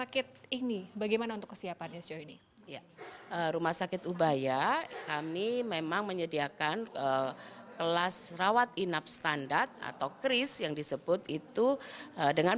kalau di rumah sakit ini bagaimana perbedaan